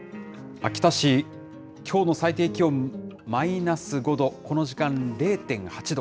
秋田市、きょうの最低気温マイナス５度、この時間０．８度。